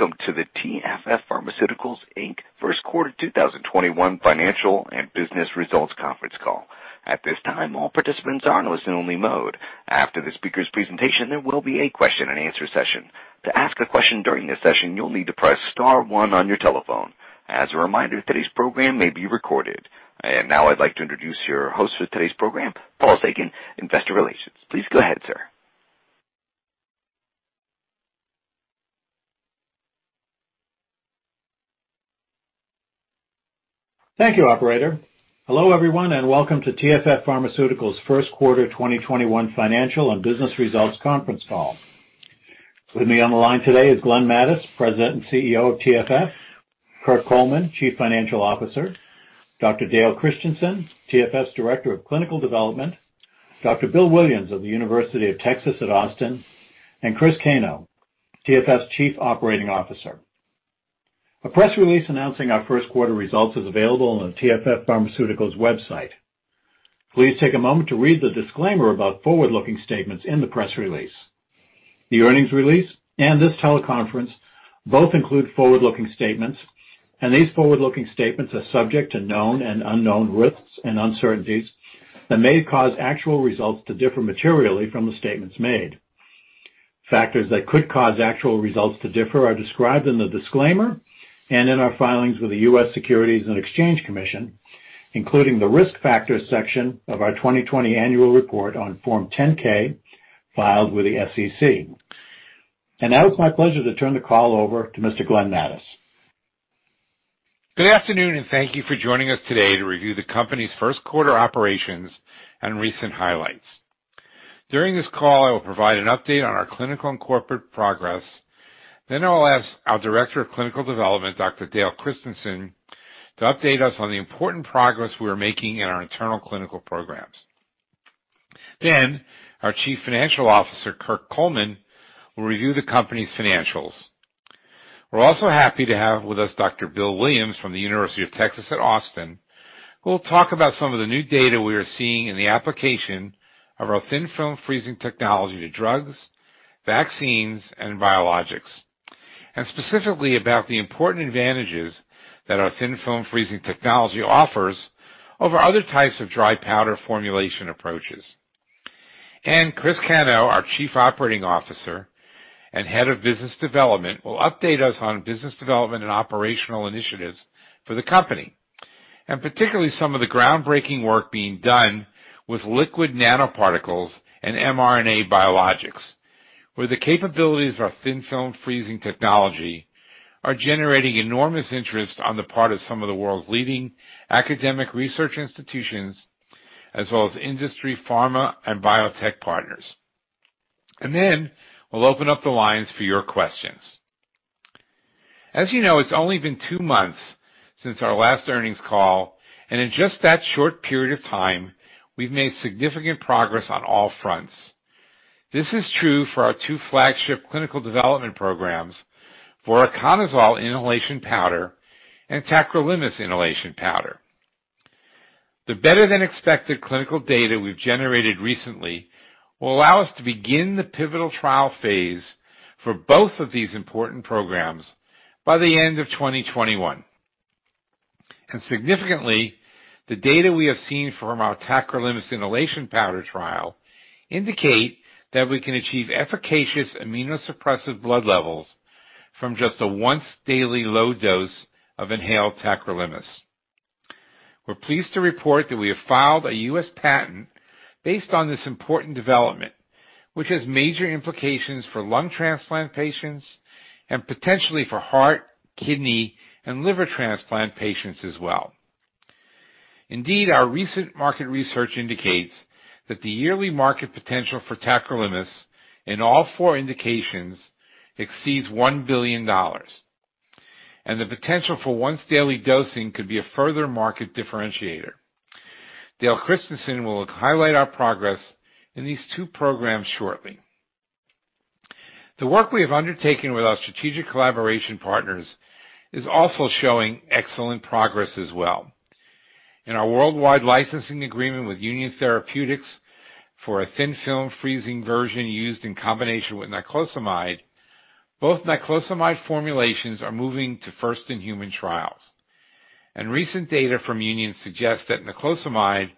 Welcome to the TFF Pharmaceuticals Inc. First Quarter 2021 Financial and Business Results Conference Call. At this time, all participants are in listen-only mode. After the speaker's presentation, there will be a question-and-answer session. To ask a question during the session, you'll need to press star one on your telephone. As a reminder, today's program may be recorded. Now I'd like to introduce your host for today's program, Paul Sagan, Investor Relations. Please go ahead, sir. Thank you, operator. Hello, everyone, welcome to TFF Pharmaceuticals' First Quarter 2021 Financial and Business Results Conference Call. With me on the line today is Glenn Mattes, President and CEO of TFF, Kirk Coleman, Chief Financial Officer, Dr. Dale Christensen, TFF's Director of Clinical Development, Dr. Bill Williams of the University of Texas at Austin, and Chris Cano, TFF's Chief Operating Officer. A press release announcing our first quarter results is available on TFF Pharmaceuticals website. Please take a moment to read the disclaimer about forward-looking statements in the press release. The earnings release and this teleconference both include forward-looking statements, and these forward-looking statements are subject to known and unknown risks and uncertainties that may cause actual results to differ materially from the statements made. Factors that could cause actual results to differ are described in the disclaimer and in our filings with the U.S. Securities and Exchange Commission, including the Risk Factors section of our 2020 annual report on Form 10-K filed with the SEC. Now it's my pleasure to turn the call over to Mr. Glenn Mattes. Good afternoon, and thank you for joining us today to review the company's first quarter operations and recent highlights. During this call, I will provide an update on our clinical and corporate progress. I'll ask our Director of Clinical Development, Dr. Dale Christensen, to update us on the important progress we are making in our internal clinical programs. Our Chief Financial Officer, Kirk Coleman, will review the company's financials. We're also happy to have with us Dr. Bill Williams from the University of Texas at Austin, who will talk about some of the new data we are seeing in the application of our Thin Film Freezing technology to drugs, vaccines, and biologics, and specifically about the important advantages that our Thin Film Freezing technology offers over other types of dry powder formulation approaches. Chris Cano, our Chief Operating Officer and head of business development, will update us on business development and operational initiatives for the company, and particularly some of the groundbreaking work being done with lipid nanoparticles and mRNA biologics, where the capabilities of our Thin Film Freezing technology are generating enormous interest on the part of some of the world's leading academic research institutions, as well as industry, pharma, and biotech partners. Then we'll open up the lines for your questions. As you know, it's only been two months since our last earnings call, and in just that short period of time, we've made significant progress on all fronts. This is true for our two flagship clinical development programs for voriconazole inhalation powder and tacrolimus inhalation powder. The better than expected clinical data we've generated recently will allow us to begin the pivotal trial phase for both of these important programs by the end of 2021. Significantly, the data we have seen from our tacrolimus inhalation powder trial indicate that we can achieve efficacious immunosuppressive blood levels from just a once-daily low dose of inhaled tacrolimus. We're pleased to report that we have filed a U.S. patent based on this important development, which has major implications for lung transplant patients and potentially for heart, kidney, and liver transplant patients as well. Indeed, our recent market research indicates that the yearly market potential for tacrolimus in all four indications exceeds $1 billion, and the potential for once-daily dosing could be a further market differentiator. Dale Christensen will highlight our progress in these two programs shortly. The work we have undertaken with our strategic collaboration partners is also showing excellent progress as well. In our worldwide licensing agreement with UNION therapeutics for a Thin Film Freezing version used in combination with niclosamide, both niclosamide formulations are moving to first-in-human trials, and recent data from UNION suggests that niclosamide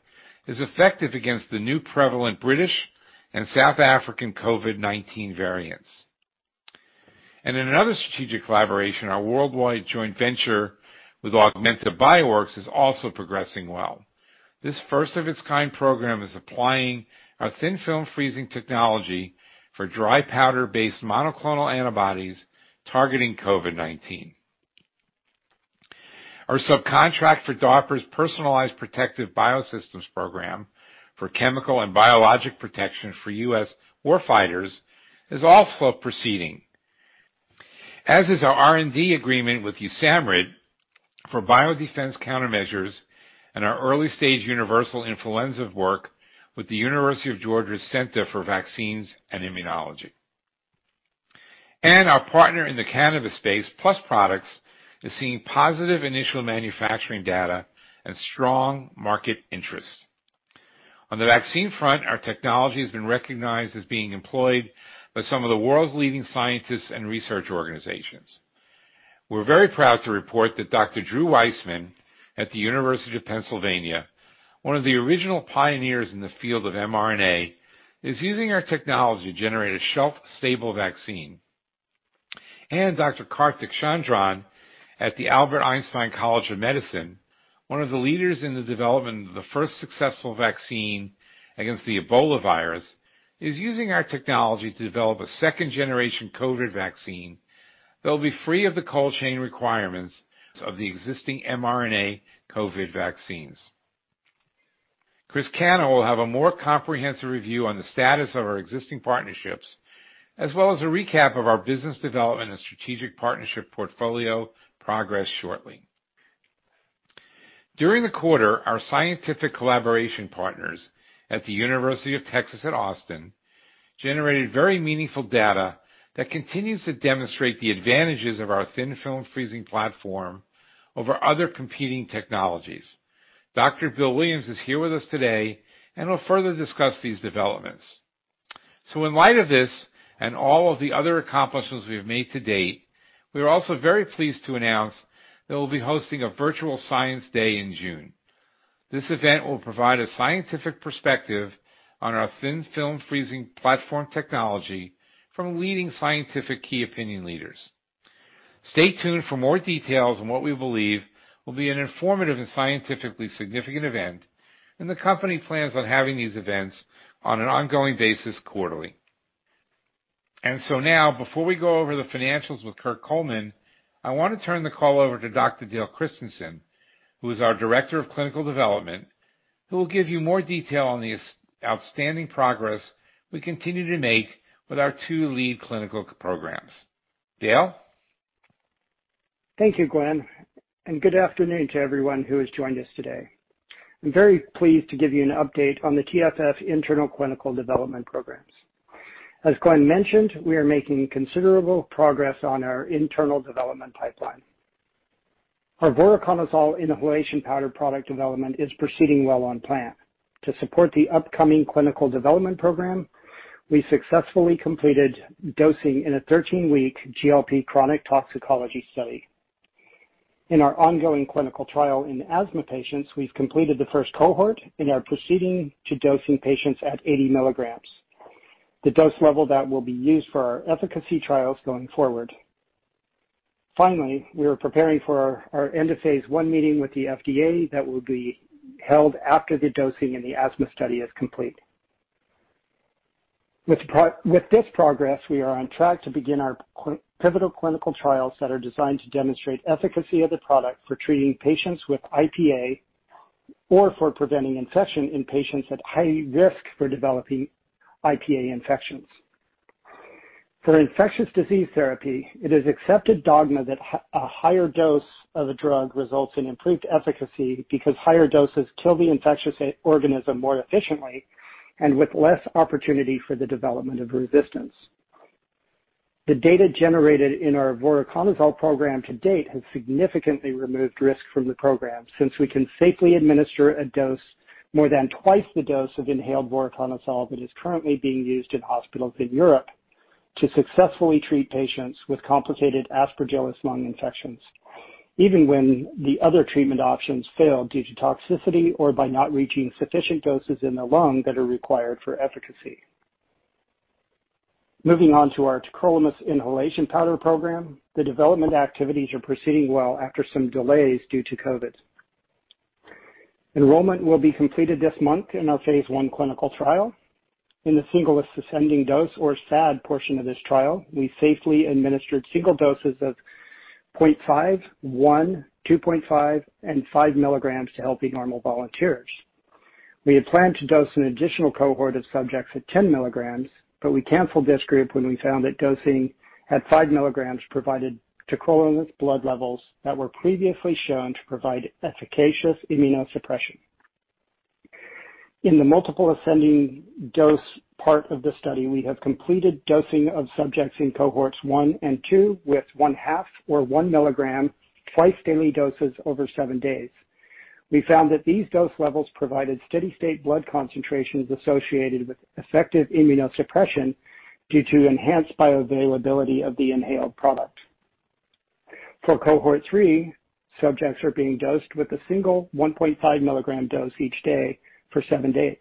is effective against the new prevalent British and South African COVID-19 variants. In another strategic collaboration, our worldwide joint venture with Augmenta Bioworks is also progressing well. This first of its kind program is applying our Thin Film Freezing technology for dry powder-based monoclonal antibodies targeting COVID-19. Our subcontract for DARPA's personalized protective biosystems program for chemical and biologic protection for U.S. war fighters is also proceeding, as is our R&D agreement with USAMRIID for biodefense countermeasures and our early-stage universal influenza work with the University of Georgia Center for Vaccines and Immunology. Our partner in the cannabis space, PLUS Products, is seeing positive initial manufacturing data and strong market interest. On the vaccine front, our technology has been recognized as being employed by some of the world's leading scientists and research organizations. We're very proud to report that Dr. Drew Weissman at the University of Pennsylvania, one of the original pioneers in the field of mRNA, is using our technology to generate a shelf-stable vaccine. Dr. Kartik Chandran at the Albert Einstein College of Medicine, one of the leaders in the development of the first successful vaccine against the Ebola virus, is using our technology to develop a second-generation COVID vaccine that will be free of the cold chain requirements of the existing mRNA COVID vaccines. Chris Cano will have a more comprehensive review on the status of our existing partnerships, as well as a recap of our business development and strategic partnership portfolio progress shortly. During the quarter, our scientific collaboration partners at the University of Texas at Austin generated very meaningful data that continues to demonstrate the advantages of our Thin Film Freezing platform over other competing technologies. Dr. Bill Williams is here with us today and will further discuss these developments. In light of this and all of the other accomplishments we've made to date, we are also very pleased to announce that we'll be hosting a virtual Science Day in June. This event will provide a scientific perspective on our Thin Film Freezing platform technology from leading scientific key opinion leaders. Stay tuned for more details on what we believe will be an informative and scientifically significant event, the company plans on having these events on an ongoing basis quarterly. Now, before we go over the financials with Kirk Coleman, I want to turn the call over to Dr. Dale Christensen, who is our Director of Clinical Development, who will give you more detail on the outstanding progress we continue to make with our two lead clinical programs. Dale? Thank you, Glenn, and good afternoon to everyone who has joined us today. I'm very pleased to give you an update on the TFF internal clinical development programs. As Glenn mentioned, we are making considerable progress on our internal development pipeline. Our voriconazole inhalation powder product development is proceeding well on plan. To support the upcoming clinical development program, we successfully completed dosing in a 13-week GLP chronic toxicology study. In our ongoing clinical trial in asthma patients, we've completed the first cohort and are proceeding to dosing patients at 80 mg, the dose level that will be used for our efficacy trials going forward. Finally, we are preparing for our end of phase I meeting with the FDA that will be held after the dosing in the asthma study is complete. With this progress, we are on track to begin our pivotal clinical trials that are designed to demonstrate efficacy of the product for treating patients with IPA or for preventing infection in patients at high risk for developing IPA infections. For infectious disease therapy, it is accepted dogma that a higher dose of a drug results in improved efficacy because higher doses kill the infectious organism more efficiently and with less opportunity for the development of resistance. The data generated in our voriconazole program to date has significantly removed risk from the program, since we can safely administer a dose more than twice the dose of inhaled voriconazole that is currently being used in hospitals in Europe to successfully treat patients with complicated Aspergillus lung infections, even when the other treatment options fail due to toxicity or by not reaching sufficient doses in the lung that are required for efficacy. Moving on to our tacrolimus inhalation powder program, the development activities are proceeding well after some delays due to COVID. Enrollment will be completed this month in our phase I clinical trial. In the single ascending dose or SAD portion of this trial, we safely administered single doses of 0.5 mg, 1 mg, 2.5 mg, and 5 mg to healthy normal volunteers. We had planned to dose an additional cohort of subjects at 10 mg, but we canceled this group when we found that dosing at 5 mg provided tacrolimus blood levels that were previously shown to provide efficacious immunosuppression. In the multiple ascending dose part of the study, we have completed dosing of subjects in cohorts 1 and 2 with one half or 1 mg twice-daily doses over seven days. We found that these dose levels provided steady state blood concentrations associated with effective immunosuppression due to enhanced bioavailability of the inhaled product. For cohort 3, subjects are being dosed with a single 1.5 mg dose each day for seven days.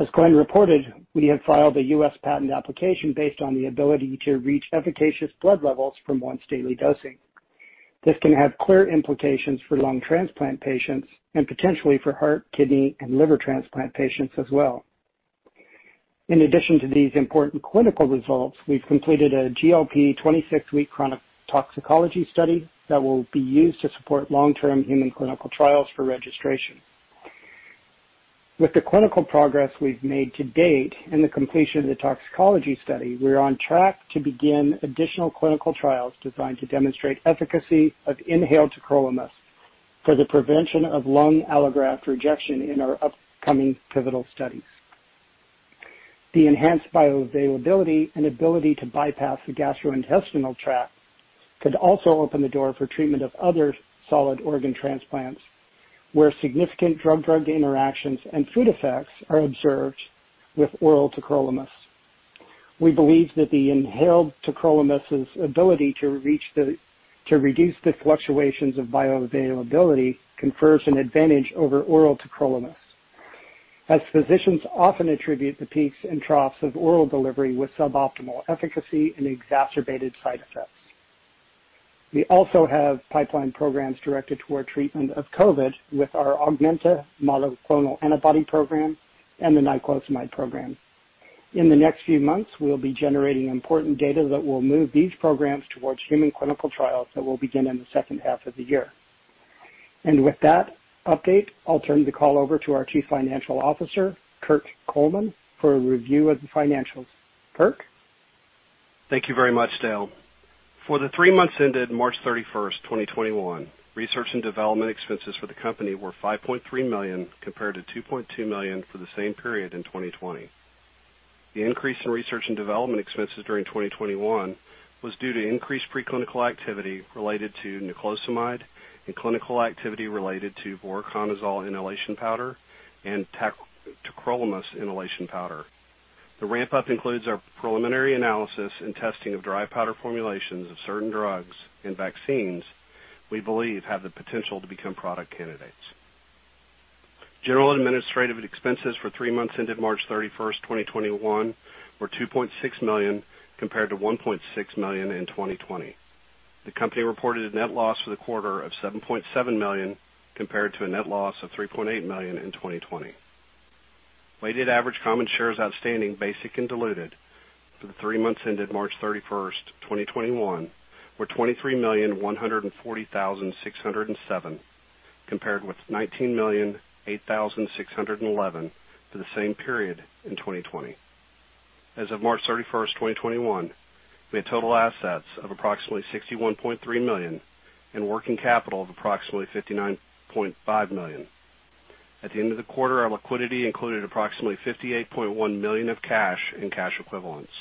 As Glenn reported, we have filed a U.S. patent application based on the ability to reach efficacious blood levels from once-daily dosing. This can have clear implications for lung transplant patients and potentially for heart, kidney, and liver transplant patients as well. In addition to these important clinical results, we've completed a GLP 26-week chronic toxicology study that will be used to support long-term human clinical trials for registration. With the clinical progress we've made to date and the completion of the toxicology study, we are on track to begin additional clinical trials designed to demonstrate efficacy of inhaled tacrolimus for the prevention of lung allograft rejection in our upcoming pivotal studies. The enhanced bioavailability and ability to bypass the gastrointestinal tract could also open the door for treatment of other solid organ transplants, where significant drug-drug interactions and food effects are observed with oral tacrolimus. We believe that the inhaled tacrolimus' ability to reduce the fluctuations of bioavailability confers an advantage over oral tacrolimus, as physicians often attribute the peaks and troughs of oral delivery with suboptimal efficacy and exacerbated side effects. We also have pipeline programs directed toward treatment of COVID with our Augmenta monoclonal antibody program and the niclosamide program. In the next few months, we'll be generating important data that will move these programs towards human clinical trials that will begin in the second half of the year. With that update, I'll turn the call over to our Chief Financial Officer, Kirk Coleman, for a review of the financials. Kirk? Thank you very much, Dale. For the three months ended March 31st, 2021, research and development expenses for the company were $5.3 million, compared to $2.2 million for the same period in 2020. The increase in research and development expenses during 2021 was due to increased preclinical activity related to niclosamide and clinical activity related to voriconazole inhalation powder and tacrolimus inhalation powder. The ramp-up includes our preliminary analysis and testing of dry powder formulations of certain drugs and vaccines we believe have the potential to become product candidates. General administrative expenses for three months ended March 31st, 2021, were $2.6 million, compared to $1.6 million in 2020. The company reported a net loss for the quarter of $7.7 million, compared to a net loss of $3.8 million in 2020. Weighted average common shares outstanding, basic and diluted, for the three months ended March 31st, 2021, were 23,140,607, compared with 19,008,611 for the same period in 2020. As of March 31st, 2021, we had total assets of approximately $61.3 million and working capital of approximately $59.5 million. At the end of the quarter, our liquidity included approximately $58.1 million of cash and cash equivalents.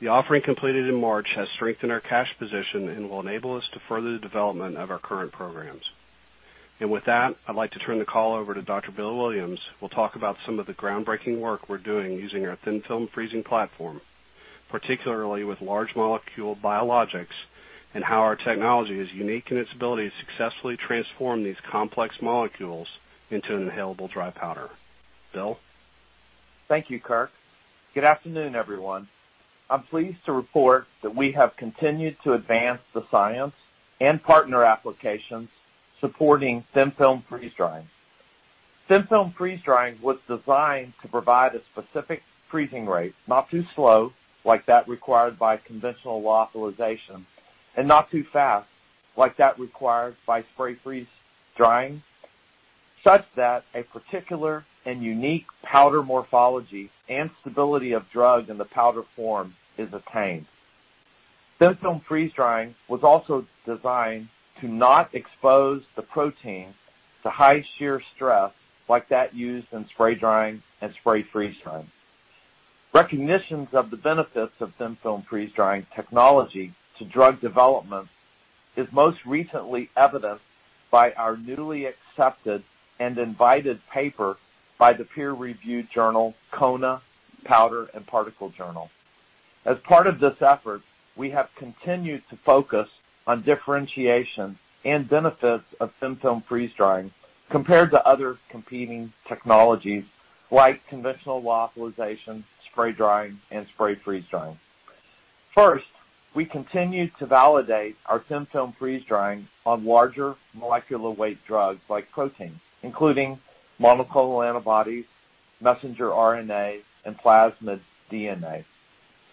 The offering completed in March has strengthened our cash position and will enable us to further the development of our current programs. With that, I'd like to turn the call over to Dr. Bill Williams, who will talk about some of the groundbreaking work we're doing using our Thin Film Freezing platform, particularly with large molecule biologics, and how our technology is unique in its ability to successfully transform these complex molecules into an inhalable dry powder. Bill? Thank you, Kirk. Good afternoon, everyone. I'm pleased to report that we have continued to advance the science and partner applications supporting Thin Film Freeze Drying. Thin Film Freeze Drying was designed to provide a specific freezing rate, not too slow, like that required by conventional lyophilization, and not too fast, like that required by spray freeze drying, such that a particular and unique powder morphology and stability of drug in the powder form is attained. Thin Film Freeze Drying was also designed to not expose the protein to high shear stress like that used in spray drying and spray freeze drying. Recognitions of the benefits of Thin Film Freeze-Drying technology to drug development is most recently evidenced by our newly accepted and invited paper by the peer-reviewed journal, "KONA Powder and Particle Journal." As part of this effort, we have continued to focus on differentiation and benefits of Thin Film Freeze-Drying compared to other competing technologies like conventional lyophilization, spray drying, and spray freeze drying. First, we continue to validate our Thin Film Freeze-Drying on larger molecular weight drugs like proteins, including monoclonal antibodies, messenger RNA, and plasmid DNA.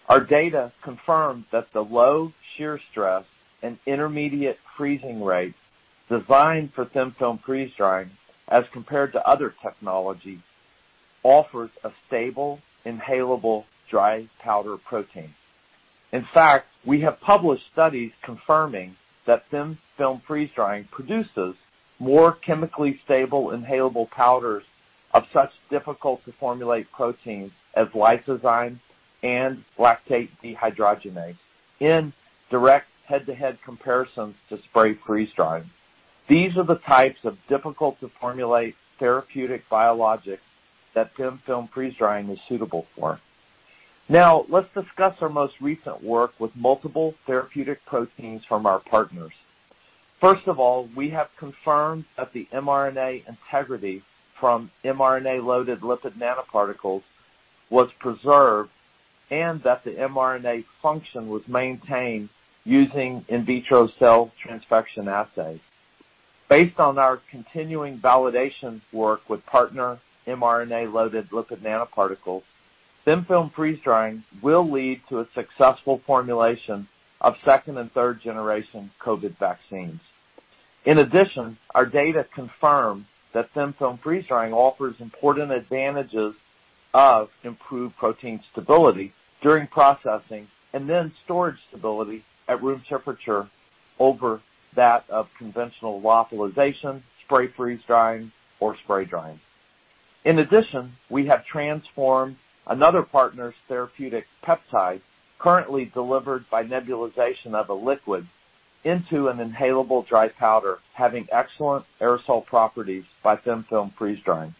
Our data confirms that the low shear stress and intermediate freezing rates designed for Thin Film Freeze-Drying, as compared to other technologies, offers a stable, inhalable, dry powder protein. In fact, we have published studies confirming that Thin Film Freeze-Drying produces more chemically stable inhalable powders of such difficult-to-formulate proteins as lysozyme and lactate dehydrogenase in direct head-to-head comparisons to spray freeze drying. These are the types of difficult-to-formulate therapeutic biologics that Thin Film Freeze-Drying is suitable for. Now, let's discuss our most recent work with multiple therapeutic proteins from our partners. First of all, we have confirmed that the mRNA integrity from mRNA-loaded lipid nanoparticles was preserved and that the mRNA function was maintained using in vitro cell transfection assays. Based on our continuing validation work with partner mRNA-loaded lipid nanoparticles, Thin Film Freeze-Drying will lead to a successful formulation of second and third generation COVID vaccines. In addition, our data confirms that Thin Film Freeze-Drying offers important advantages of improved protein stability during processing, and then storage stability at room temperature over that of conventional lyophilization, spray freeze drying, or spray drying. In addition, we have transformed another partner's therapeutic peptide, currently delivered by nebulization of a liquid, into an inhalable dry powder having excellent aerosol properties by Thin Film Freeze-Drying.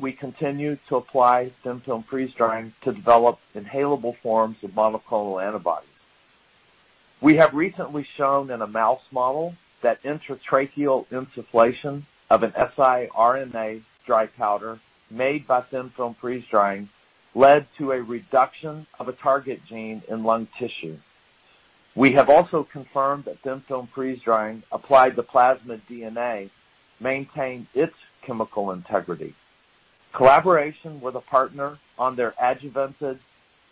We continue to apply Thin Film Freeze-Drying to develop inhalable forms of monoclonal antibodies. We have recently shown in a mouse model that intratracheal insufflation of an siRNA dry powder made by Thin Film Freeze-Drying led to a reduction of a target gene in lung tissue. We have also confirmed that Thin Film Freeze-Drying applied to plasmid DNA maintained its chemical integrity. Collaboration with a partner on their adjuvanted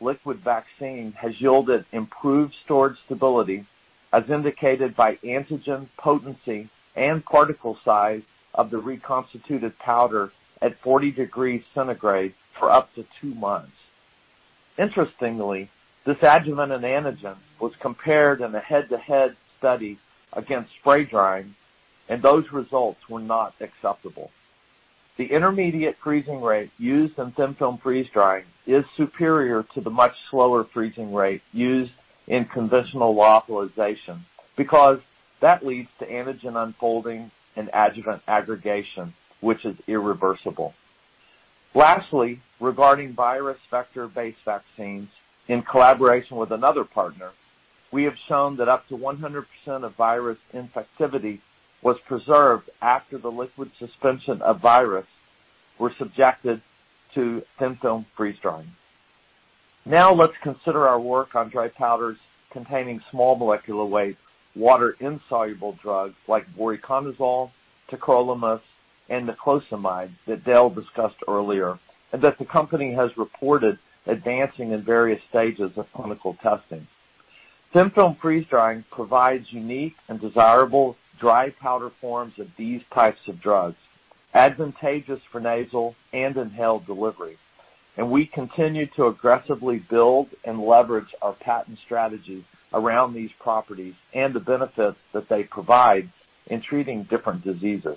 liquid vaccine has yielded improved storage stability, as indicated by antigen potency and particle size of the reconstituted powder at 40 degrees centigrade for up to two months. Interestingly, this adjuvant and antigen was compared in a head-to-head study against spray drying. Those results were not acceptable. The intermediate freezing rate used in Thin Film Freeze-Drying is superior to the much slower freezing rate used in conventional lyophilization because that leads to antigen unfolding and adjuvant aggregation, which is irreversible. Lastly, regarding virus vector-based vaccines, in collaboration with another partner, we have shown that up to 100% of virus infectivity was preserved after the liquid suspension of virus were subjected to Thin Film Freeze-Drying. Now let's consider our work on dry powders containing small molecular weight, water-insoluble drugs like voriconazole, tacrolimus, and niclosamide that Dale discussed earlier, and that the company has reported advancing in various stages of clinical testing. Thin Film Freeze-Drying provides unique and desirable dry powder forms of these types of drugs, advantageous for nasal and inhaled delivery. We continue to aggressively build and leverage our patent strategy around these properties and the benefits that they provide in treating different diseases.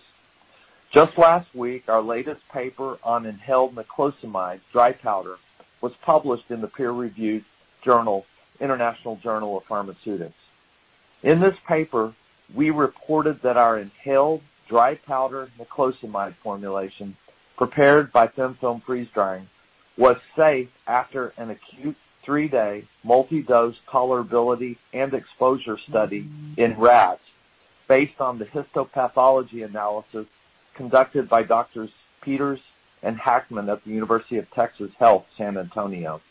Just last week, our latest paper on inhaled niclosamide dry powder was published in the peer-reviewed journal, "International Journal of Pharmaceutics." In this paper, we reported that our inhaled dry powder niclosamide formulation, prepared by Thin Film Freeze Drying, was safe after an acute three-day multi-dose tolerability and exposure study in rats based on the histopathology analysis conducted by Doctors Peters and Hackman at the University of Texas Health San Antonio.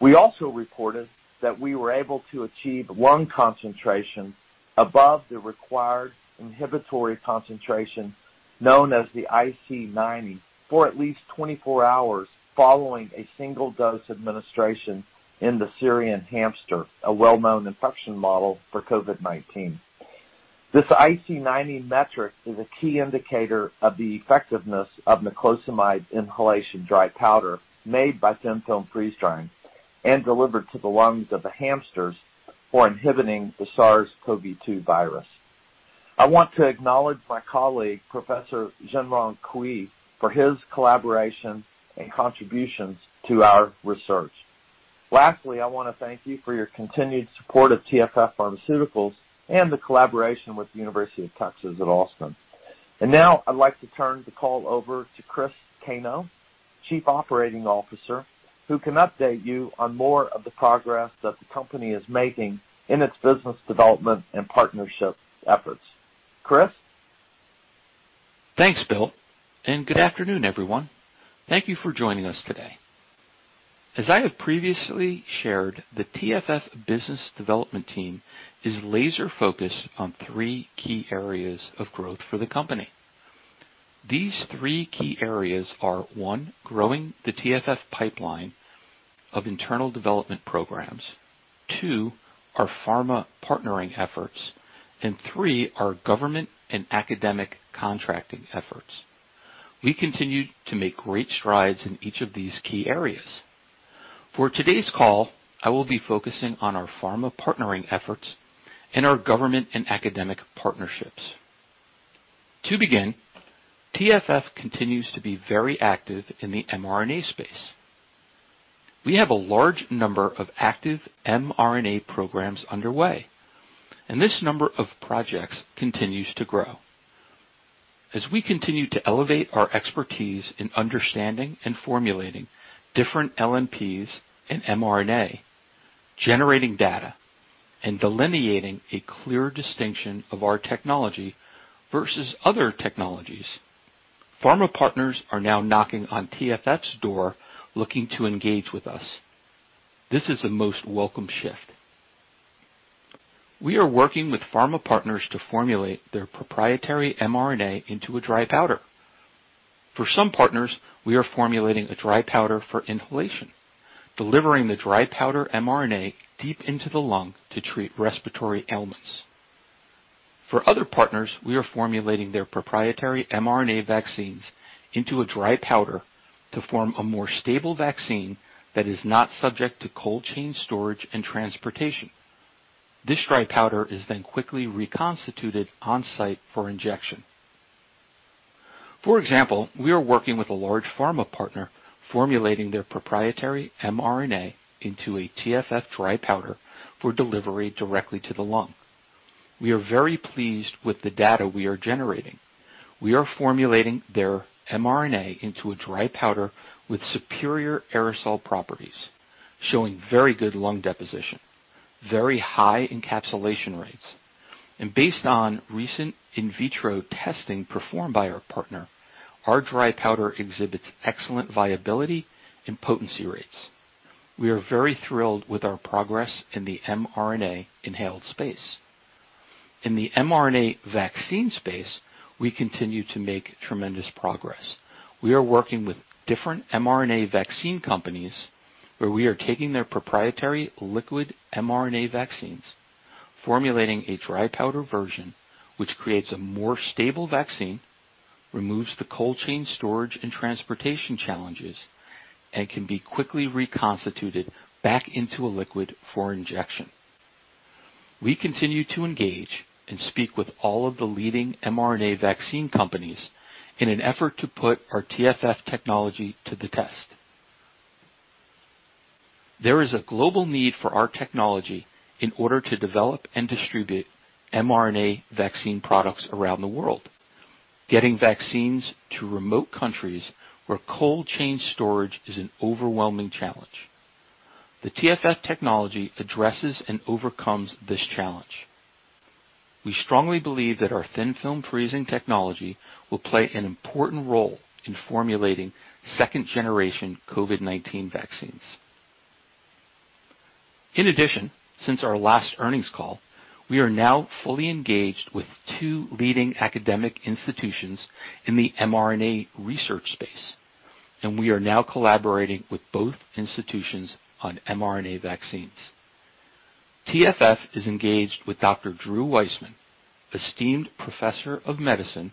We also reported that we were able to achieve lung concentration above the required inhibitory concentration, known as the IC90, for at least 24 hours following a single dose administration in the Syrian hamster, a well-known infection model for COVID-19. This IC90 metric is a key indicator of the effectiveness of niclosamide inhalation dry powder made by Thin Film Freeze Drying and delivered to the lungs of the hamsters for inhibiting the SARS-CoV-2 virus. I want to acknowledge my colleague, Professor Zhengrong Cui, for his collaboration and contributions to our research. Lastly, I want to thank you for your continued support of TFF Pharmaceuticals and the collaboration with the University of Texas at Austin. Now I'd like to turn the call over to Chris Cano, Chief Operating Officer, who can update you on more of the progress that the company is making in its business development and partnership efforts. Chris? Thanks, Bill, and good afternoon, everyone. Thank you for joining us today. As I have previously shared, the TFF business development team is laser-focused on three key areas of growth for the company. These three key areas are, one, growing the TFF pipeline of internal development programs. Two, our pharma partnering efforts. And three, our government and academic contracting efforts. We continue to make great strides in each of these key areas. For today's call, I will be focusing on our pharma partnering efforts and our government and academic partnerships. To begin, TFF continues to be very active in the mRNA space. We have a large number of active mRNA programs underway, and this number of projects continues to grow. As we continue to elevate our expertise in understanding and formulating different LNPs and mRNA, generating data, and delineating a clear distinction of our technology versus other technologies, pharma partners are now knocking on TFF's door looking to engage with us. This is a most welcome shift. We are working with pharma partners to formulate their proprietary mRNA into a dry powder. For some partners, we are formulating a dry powder for inhalation, delivering the dry powder mRNA deep into the lung to treat respiratory ailments. For other partners, we are formulating their proprietary mRNA vaccines into a dry powder to form a more stable vaccine that is not subject to cold chain storage and transportation. This dry powder is quickly reconstituted on-site for injection. We are working with a large pharma partner formulating their proprietary mRNA into a TFF dry powder for delivery directly to the lung. We are very pleased with the data we are generating. We are formulating their mRNA into a dry powder with superior aerosol properties, showing very good lung deposition, very high encapsulation rates, and based on recent in vitro testing performed by our partner, our dry powder exhibits excellent viability and potency rates. We are very thrilled with our progress in the mRNA inhaled space. In the mRNA vaccine space, we continue to make tremendous progress. We are working with different mRNA vaccine companies where we are taking their proprietary liquid mRNA vaccines, formulating a dry powder version, which creates a more stable vaccine, removes the cold chain storage and transportation challenges, and can be quickly reconstituted back into a liquid for injection. We continue to engage and speak with all of the leading mRNA vaccine companies in an effort to put our TFF technology to the test. There is a global need for our technology in order to develop and distribute mRNA vaccine products around the world, getting vaccines to remote countries where cold chain storage is an overwhelming challenge. The TFF technology addresses and overcomes this challenge. We strongly believe that our thin film freezing technology will play an important role in formulating second-generation COVID-19 vaccines. In addition, since our last earnings call, we are now fully engaged with two leading academic institutions in the mRNA research space, and we are now collaborating with both institutions on mRNA vaccines. TFF is engaged with Dr. Drew Weissman, esteemed professor of medicine,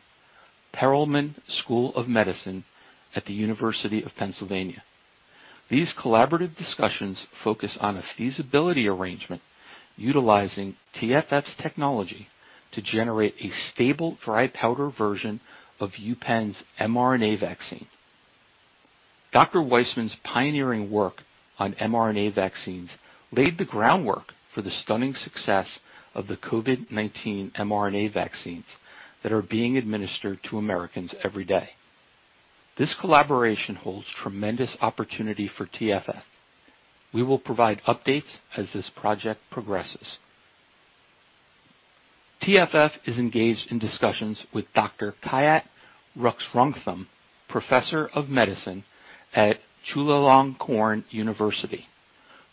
Perelman School of Medicine at the University of Pennsylvania. These collaborative discussions focus on a feasibility arrangement utilizing TFF's technology to generate a stable dry powder version of UPenn's mRNA vaccine. Dr. Weissman's pioneering work on mRNA vaccines laid the groundwork for the stunning success of the COVID-19 mRNA vaccines that are being administered to Americans every day. This collaboration holds tremendous opportunity for TFF. We will provide updates as this project progresses. TFF is engaged in discussions with Dr. Kiat Ruxrungtham, professor of medicine at Chulalongkorn University,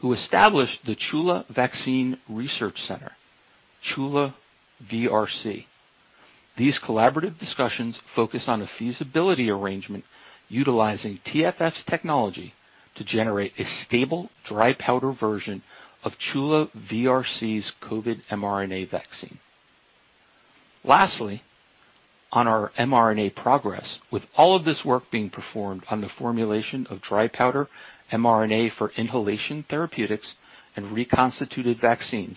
who established the Chula Vaccine Research Center, Chula VRC. These collaborative discussions focus on a feasibility arrangement utilizing TFF's technology to generate a stable dry powder version of Chula VRC's COVID mRNA vaccine. On our mRNA progress, with all of this work being performed on the formulation of dry powder mRNA for inhalation therapeutics and reconstituted vaccines,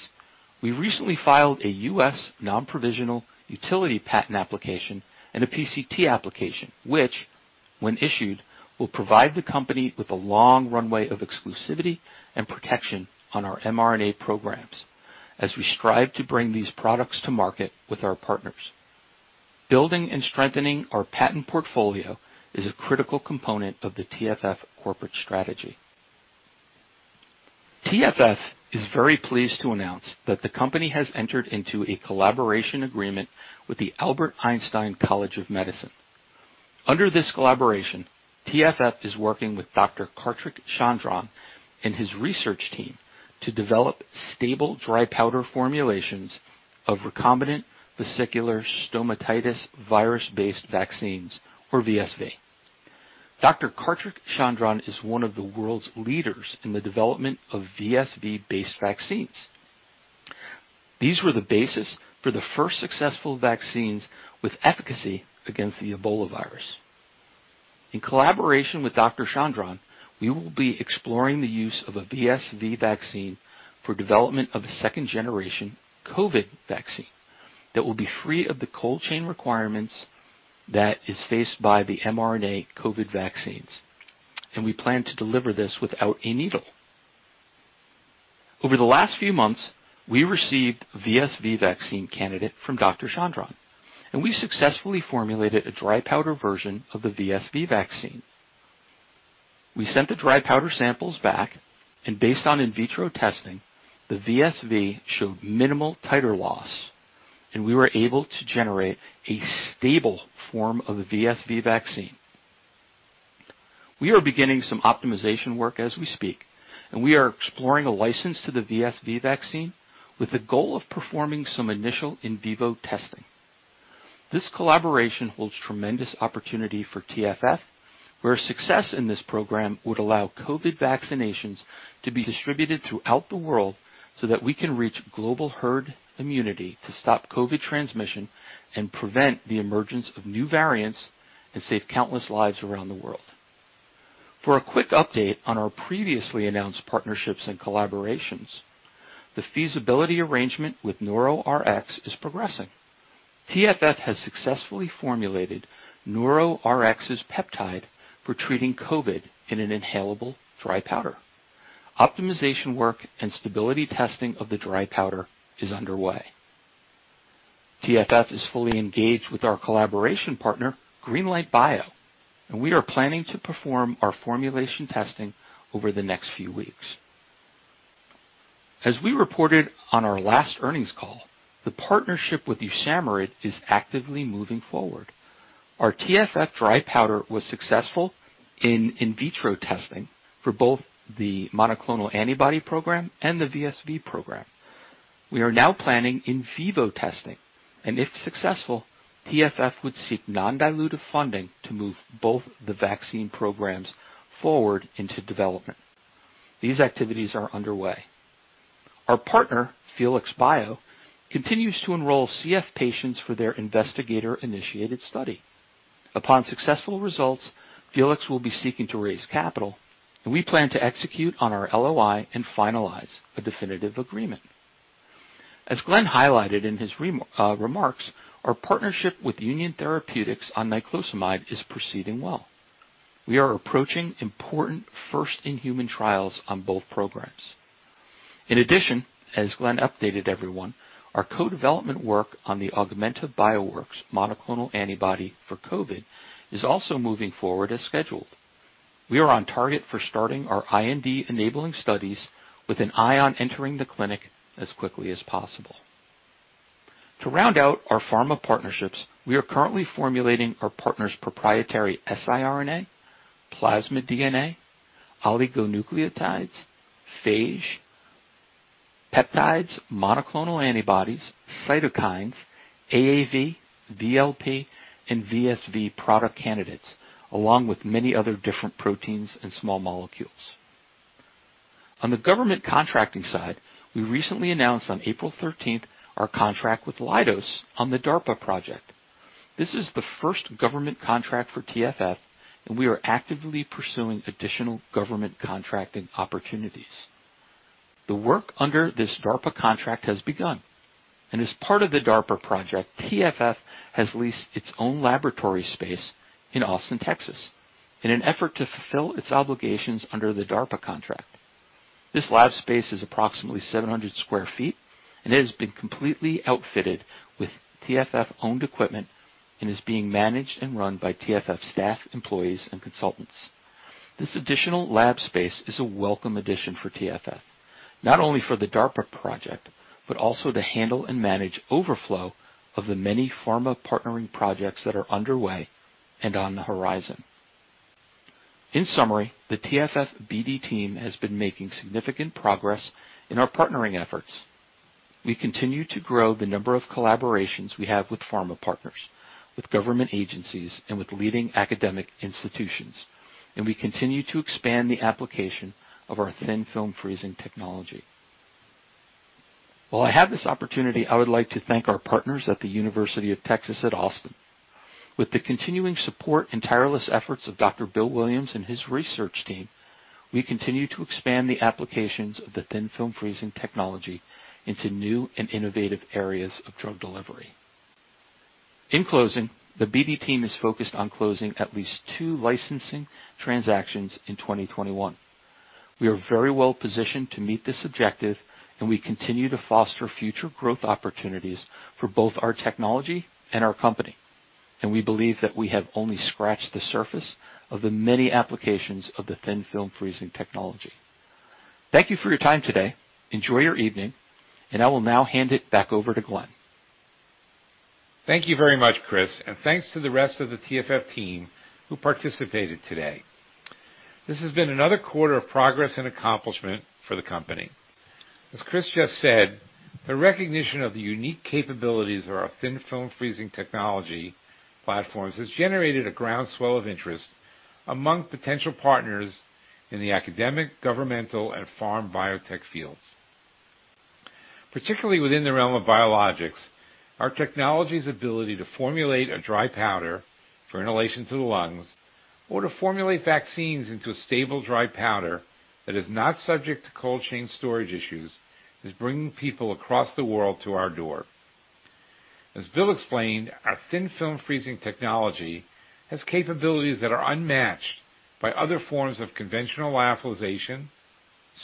we recently filed a U.S. non-provisional utility patent application and a PCT application, which, when issued, will provide the company with a long runway of exclusivity and protection on our mRNA programs as we strive to bring these products to market with our partners. Building and strengthening our patent portfolio is a critical component of the TFF corporate strategy. TFF is very pleased to announce that the company has entered into a collaboration agreement with the Albert Einstein College of Medicine. Under this collaboration, TFF is working with Dr. Kartik Chandran and his research team to develop stable dry powder formulations of recombinant vesicular stomatitis virus-based vaccines, or VSV. Dr. Kartik Chandran is one of the world's leaders in the development of VSV-based vaccines. These were the basis for the first successful vaccines with efficacy against the Ebola virus. In collaboration with Dr. Chandran, we will be exploring the use of a VSV vaccine for development of a second-generation COVID vaccine that will be free of the cold chain requirements that is faced by the mRNA COVID vaccines, and we plan to deliver this without a needle. Over the last few months, we received VSV vaccine candidate from Dr. Chandran, and we successfully formulated a dry powder version of the VSV vaccine. We sent the dry powder samples back, and based on in vitro testing, the VSV showed minimal titer loss, and we were able to generate a stable form of the VSV vaccine. We are beginning some optimization work as we speak, and we are exploring a license to the VSV vaccine with the goal of performing some initial in vivo testing. This collaboration holds tremendous opportunity for TFF, where success in this program would allow COVID vaccinations to be distributed throughout the world so that we can reach global herd immunity to stop COVID transmission and prevent the emergence of new variants, and save countless lives around the world. For a quick update on our previously announced partnerships and collaborations, the feasibility arrangement with NeuroRx is progressing. TFF has successfully formulated NeuroRx's peptide for treating COVID in an inhalable dry powder. Optimization work and stability testing of the dry powder is underway. TFF is fully engaged with our collaboration partner, GreenLight Bio, and we are planning to perform our formulation testing over the next few weeks. As we reported on our last earnings call, the partnership with USAMRIID is actively moving forward. Our TFF dry powder was successful in in vitro testing for both the monoclonal antibody program and the VSV program. We are now planning in vivo testing, and if successful, TFF would seek non-dilutive funding to move both the vaccine programs forward into development. These activities are underway. Our partner, Felix Bio, continues to enroll CF patients for their investigator-initiated study. Upon successful results, Felix will be seeking to raise capital, and we plan to execute on our LOI and finalize a definitive agreement. As Glenn highlighted in his remarks, our partnership with UNION therapeutics on niclosamide is proceeding well. We are approaching important first-in-human trials on both programs. In addition, as Glenn updated everyone, our co-development work on the Augmenta Bioworks monoclonal antibody for COVID is also moving forward as scheduled. We are on target for starting our IND enabling studies with an eye on entering the clinic as quickly as possible. To round out our pharma partnerships, we are currently formulating our partner's proprietary siRNA, plasmid DNA, oligonucleotides, phage, peptides, monoclonal antibodies, cytokines, AAV, VLP, and VSV product candidates, along with many other different proteins and small molecules. On the government contracting side, we recently announced on April 13th our contract with Leidos on the DARPA project. This is the first government contract for TFF, we are actively pursuing additional government contracting opportunities. The work under this DARPA contract has begun, and as part of the DARPA project, TFF has leased its own laboratory space in Austin, Texas, in an effort to fulfill its obligations under the DARPA contract. This lab space is approximately 700 sq ft. It has been completely outfitted with TFF-owned equipment and is being managed and run by TFF staff, employees, and consultants. This additional lab space is a welcome addition for TFF, not only for the DARPA project, but also to handle and manage overflow of the many pharma partnering projects that are underway and on the horizon. In summary, the TFF BD team has been making significant progress in our partnering efforts. We continue to grow the number of collaborations we have with pharma partners, with government agencies, and with leading academic institutions. We continue to expand the application of our Thin Film Freezing technology. While I have this opportunity, I would like to thank our partners at the University of Texas at Austin. With the continuing support and tireless efforts of Dr. Bill Williams and his research team, we continue to expand the applications of the Thin Film Freezing technology into new and innovative areas of drug delivery. In closing, the BD team is focused on closing at least two licensing transactions in 2021. We are very well positioned to meet this objective, and we continue to foster future growth opportunities for both our technology and our company, and we believe that we have only scratched the surface of the many applications of the Thin Film Freezing technology. Thank you for your time today. Enjoy your evening, I will now hand it back over to Glenn. Thank you very much, Chris, and thanks to the rest of the TFF team who participated today. This has been another quarter of progress and accomplishment for the company. As Chris just said, the recognition of the unique capabilities of our Thin Film Freezing technology platforms has generated a groundswell of interest among potential partners in the academic, governmental, and pharma/biotech fields. Particularly within the realm of biologics, our technology's ability to formulate a dry powder for inhalation to the lungs or to formulate vaccines into a stable dry powder that is not subject to cold chain storage issues is bringing people across the world to our door. As Bill explained, our Thin Film Freezing technology has capabilities that are unmatched by other forms of conventional lyophilization,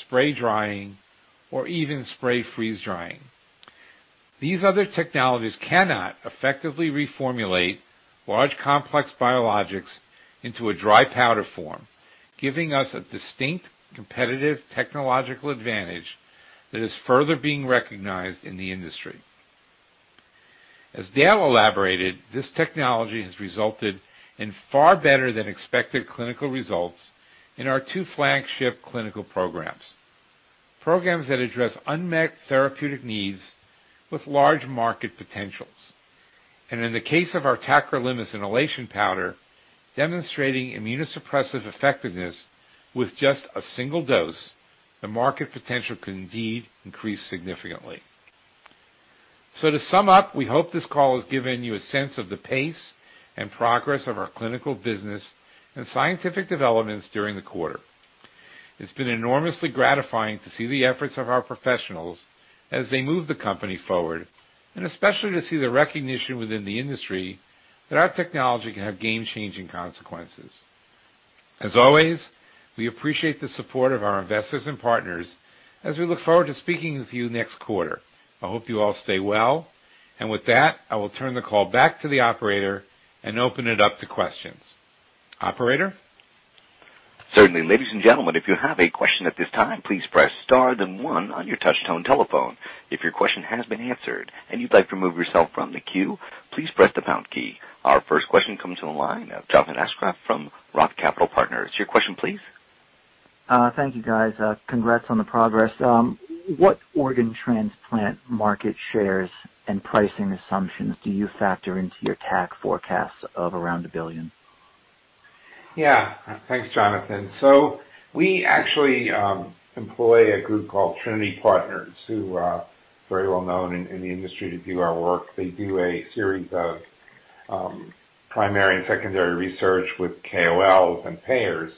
spray drying, or even spray freeze-drying. These other technologies cannot effectively reformulate large, complex biologics into a dry powder form, giving us a distinct competitive technological advantage that is further being recognized in the industry. As Dale elaborated, this technology has resulted in far better than expected clinical results in our two flagship clinical programs. Programs that address unmet therapeutic needs with large market potentials. In the case of our tacrolimus inhalation powder, demonstrating immunosuppressive effectiveness with just a single dose, the market potential can indeed increase significantly. To sum up, we hope this call has given you a sense of the pace and progress of our clinical business and scientific developments during the quarter. It's been enormously gratifying to see the efforts of our professionals as they move the company forward, and especially to see the recognition within the industry that our technology can have game-changing consequences. As always, we appreciate the support of our investors and partners as we look forward to speaking with you next quarter. I hope you all stay well. With that, I will turn the call back to the operator and open it up to questions. Operator? Certainly. Ladies and gentlemen, if you have a question at this time, please press star then one on your touchtone telephone. If your question has been answered and you'd like to remove yourself from the queue, please press the pound key. Our first question comes to the line of Jonathan Aschoff from Roth Capital Partners. Your question, please. Thank you, guys. Congrats on the progress. What organ transplant market shares and pricing assumptions do you factor into your TAC forecasts of around $1 billion? Yeah. Thanks, Jonathan. We actually employ a group called Trinity Life Sciences, who are very well known in the industry to do our work. They do a series of primary and secondary research with KOLs and payers.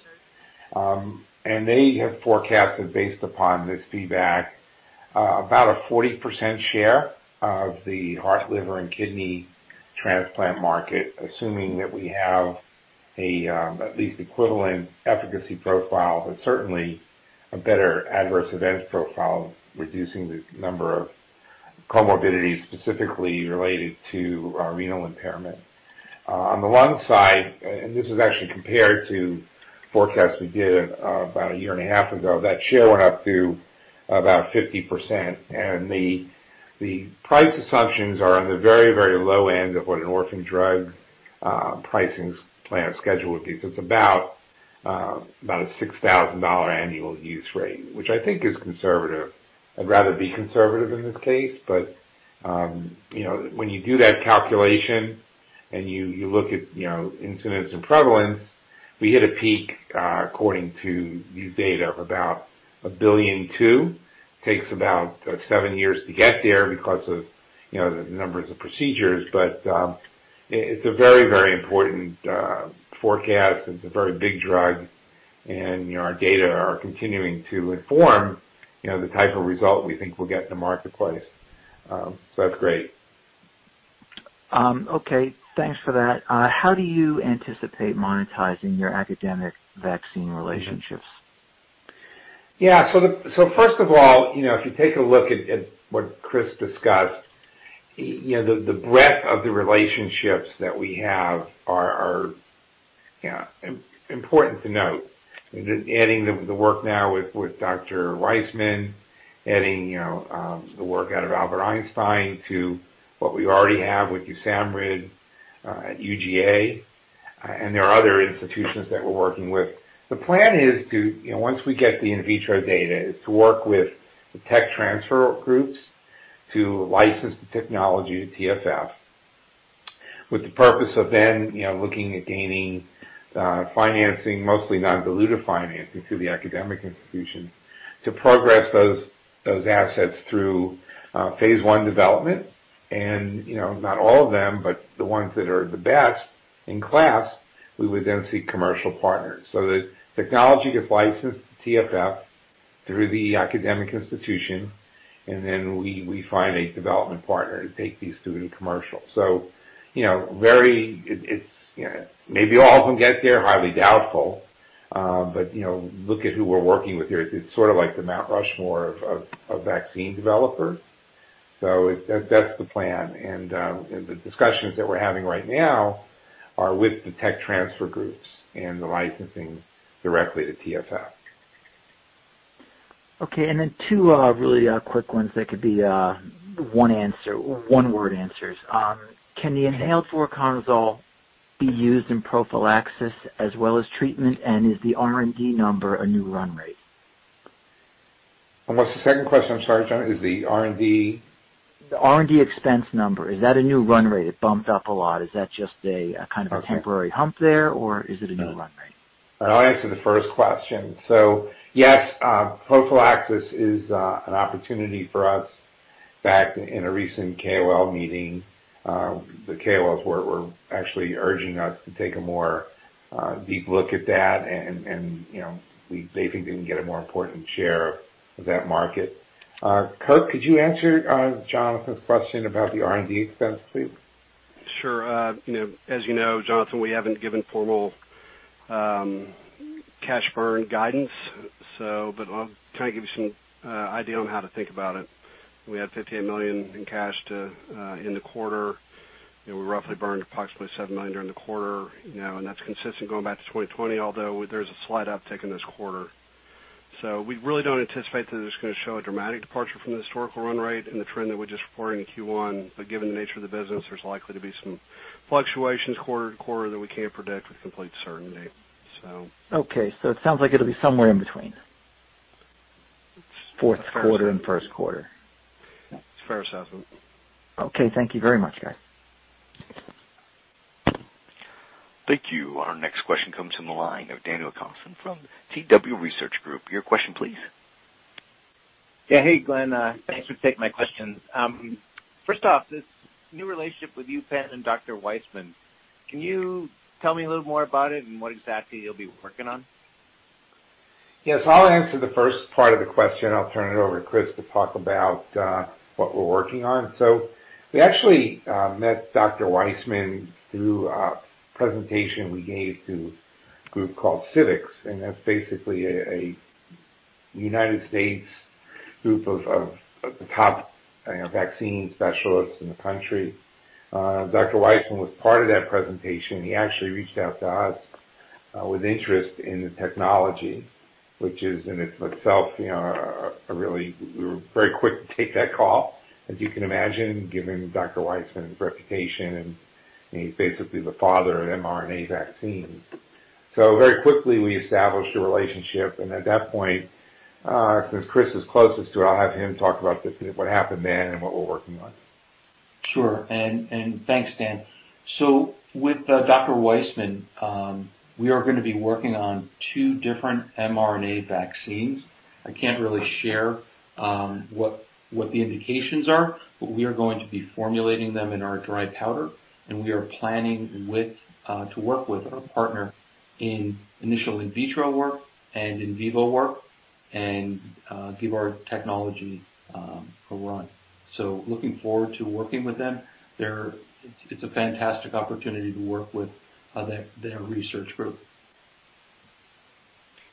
They have forecasted, based upon this feedback, about a 40% share of the heart, liver, and kidney transplant market, assuming that we have at least equivalent efficacy profile, but certainly a better adverse events profile, reducing the number of comorbidities specifically related to renal impairment. On the lung side, and this is actually compared to forecasts we did about a year and a half ago, that share went up to about 50%. The price assumptions are on the very, very low end of what an orphan drug pricing plan schedule would be. It's about a $6,000 annual use rate, which I think is conservative. I'd rather be conservative in this case. When you do that calculation and you look at incidence and prevalence, we hit a peak, according to new data, of about a billion two. Takes about seven years to get there because of the numbers of procedures. It's a very, very important forecast. It's a very big drug, and our data are continuing to inform the type of result we think we'll get in the marketplace. That's great. Okay. Thanks for that. How do you anticipate monetizing your academic vaccine relationships? Yeah. First of all, if you take a look at what Chris discussed, the breadth of the relationships that we have are important to note. Adding the work now with Dr. Weissman, adding the work out of Albert Einstein to what we already have with USAMRIID at UGA, and there are other institutions that we're working with. The plan is to, once we get the in vitro data, is to work with the tech transfer groups to license the technology to TFF, with the purpose of then looking at gaining financing, mostly non-dilutive financing through the academic institutions, to progress those assets through phase I development. Not all of them, but the ones that are the best in class, we would then seek commercial partners. The technology gets licensed to TFF through the academic institution, and then we find a development partner to take these through to commercial. Maybe all of them get there, highly doubtful, but look at who we're working with here. It's sort of like the Mount Rushmore of vaccine developers. That's the plan. The discussions that we're having right now are with the tech transfer groups and the licensing directly to TFF. Okay. Two really quick ones that could be one-word answers. Can the inhaled voriconazole be used in prophylaxis as well as treatment? Is the R&D number a new run rate? What's the second question? I'm sorry, Jonathan. Is the R&D? The R&D expense number, is that a new run rate? It bumped up a lot. Is that just a kind of a temporary hump there, or is it a new run rate? I'll answer the first question. Yes, prophylaxis is an opportunity for us. Back in a recent KOL meeting, the KOLs were actually urging us to take a more deep look at that and they think they can get a more important share of that market. Kirk, could you answer Jonathan's question about the R&D expense, please? Sure. As you know, Jonathan, we haven't given formal cash burn guidance. I'll try and give you some idea on how to think about it. We had $58 million in cash in the quarter. We roughly burned approximately $7 million during the quarter. That's consistent going back to 2020, although there's a slight uptick in this quarter. We really don't anticipate that it's going to show a dramatic departure from the historical run rate and the trend that we just reported in Q1. Given the nature of the business, there's likely to be some fluctuations quarter to quarter that we can't predict with complete certainty. Okay. It sounds like it'll be somewhere in between fourth quarter and first quarter. It's fair to say. Okay. Thank you very much, guys. Thank you. Our next question comes from the line of Daniel Thompson from CW Research Group. Your question, please. Hey, Glenn. Thanks for taking my questions. First off, this new relationship with UPenn and Dr. Weissman, can you tell me a little more about it and what exactly you'll be working on? Yes. I'll answer the first part of the question. I'll turn it over to Chris to talk about what we're working on. We actually met Dr. Weissman through a presentation we gave to a group called Civica Rx, and that's basically a United States group of the top vaccine specialists in the country. Dr. Weissman was part of that presentation. He actually reached out to us with interest in the technology, which is in itself, we were very quick to take that call, as you can imagine, given Dr. Weissman's reputation, and he's basically the father of mRNA vaccines. Very quickly, we established a relationship, and at that point, since Chris is closest to it, I'll have him talk about what happened then and what we're working on. Sure. Thanks, Dan. With Dr. Weissman, we are going to be working on two different mRNA vaccines. I can't really share what the indications are, but we are going to be formulating them in our dry powder, and we are planning to work with our partner in initial in vitro work and in vivo work and give our technology a run. Looking forward to working with them. It's a fantastic opportunity to work with their research group.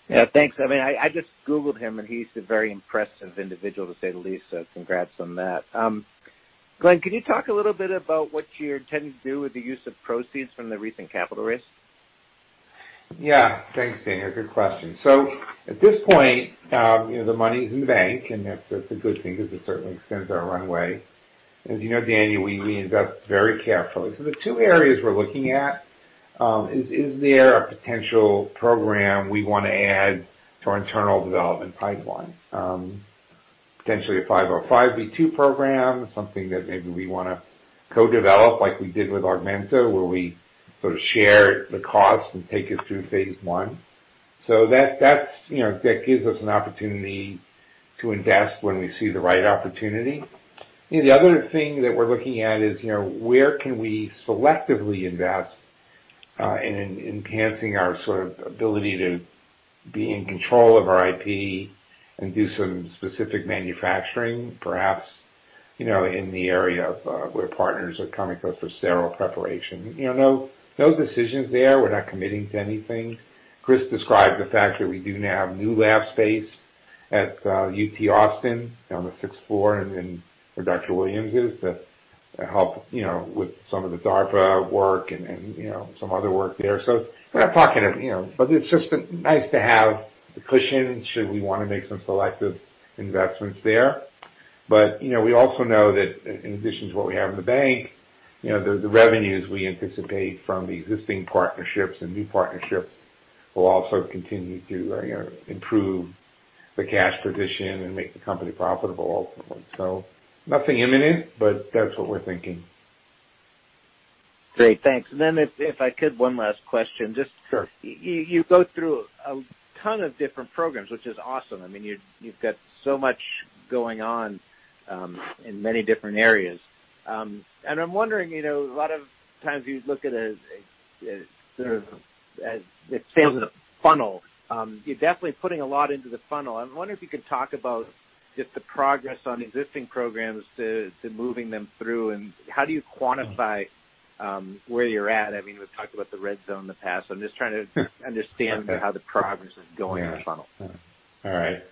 Yeah. Thanks. I just googled him, he's a very impressive individual, to say the least. Congrats on that. Glenn, can you talk a little bit about what you intend to do with the use of proceeds from the recent capital raise? Yeah. Thanks, Daniel. Good question. At this point, the money's in the bank, and that's a good thing because it certainly extends our runway. As you know, Daniel, we invest very carefully. The two areas we're looking at, is there a potential program we want to add to our internal development pipeline? Potentially a 505(b)(2) program, something that maybe we want to co-develop, like we did with Augmenta, where we sort of share the cost and take it through phase I. That gives us an opportunity to invest when we see the right opportunity. The other thing that we're looking at is, where can we selectively invest in enhancing our ability to be in control of our IP and do some specific manufacturing, perhaps, in the area of where partners are coming to us for sterile preparation. No decisions there. We're not committing to anything. Chris described the fact that we do now have new lab space at UT Austin on the sixth floor and where Dr. Williams is to help with some of the DARPA work and some other work there. We're not talking, but it's just nice to have the cushion should we want to make some selective investments there. We also know that in addition to what we have in the bank, the revenues we anticipate from the existing partnerships and new partnerships will also continue to improve the cash position and make the company profitable ultimately. Nothing imminent, but that's what we're thinking. Great. Thanks. If I could, one last question. Sure. You go through a ton of different programs, which is awesome. You've got so much going on in many different areas. I'm wondering, a lot of times you look at it as a funnel. You're definitely putting a lot into the funnel. I'm wondering if you could talk about just the progress on existing programs to moving them through, and how do you quantify where you're at? We've talked about the red zone in the past, so I'm just trying to understand how the progress is going in the funnel. All right.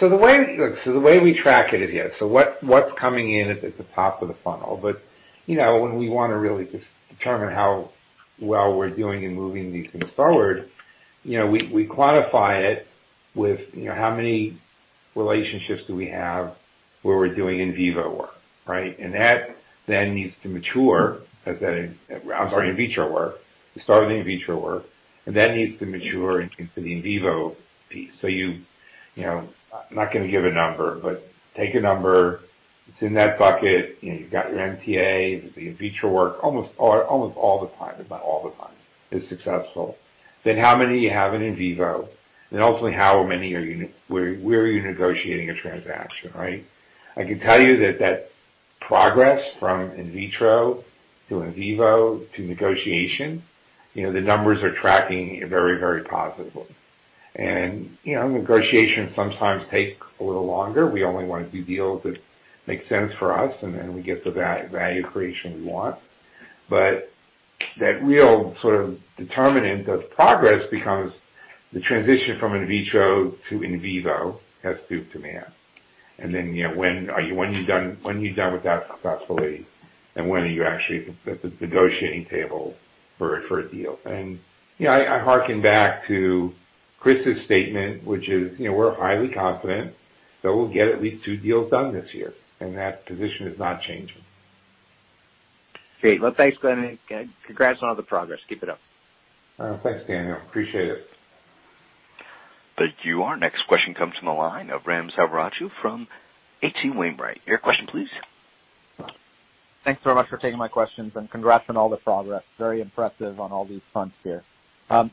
The way we track it is, what's coming in at the top of the funnel. When we want to really just determine how well we're doing in moving these things forward, we quantify it with how many relationships do we have where we're doing in vivo work, right? That then needs to mature as that, I'm sorry, in vitro work. You start with the in vitro work, that needs to mature into the in vivo piece. I'm not going to give a number, take a number. It's in that bucket. You've got your MTA, the in vitro work almost all the time, if not all the time, is successful. How many you have in in vivo, ultimately, how many or where are you negotiating a transaction, right? I can tell you that that progress from in vitro to in vivo to negotiation, the numbers are tracking very positively. Negotiations sometimes take a little longer. We only want to do deals that make sense for us, and then we get the value creation we want. That real determinant of progress becomes the transition from in vitro to in vivo has to do with demand. When you're done with that successfully, then when are you actually at the negotiating table for a deal? I harken back to Chris's statement, which is we're highly confident that we'll get at least two deals done this year, and that position is not changing. Great. Thanks, Glenn. Congrats on all the progress. Keep it up. Thanks, Daniel. Appreciate it. Thank you. Our next question comes from the line of Ram Selvaraju from H.C. Wainwright. Your question, please. Thanks very much for taking my questions. Congrats on all the progress. Very impressive on all these fronts here.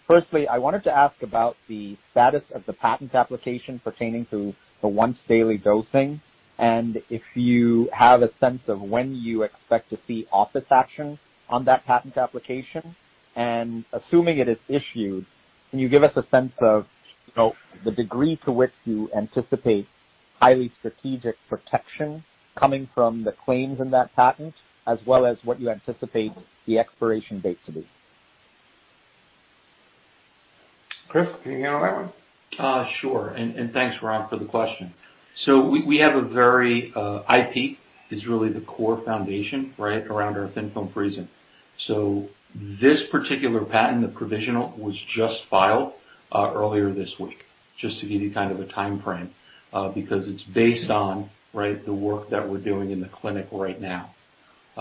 Firstly, I wanted to ask about the status of the patent application pertaining to the once-daily dosing, and if you have a sense of when you expect to see office action on that patent application? Assuming it is issued, can you give us a sense of the degree to which you anticipate highly strategic protection coming from the claims in that patent, as well as what you anticipate the expiration date to be? Chris, can you handle that one? Sure. Thanks, Ram, for the question. IP is really the core foundation right around our Thin Film Freezing. This particular patent, the provisional, was just filed earlier this week, just to give you kind of a timeframe, because it's based on the work that we're doing in the clinic right now.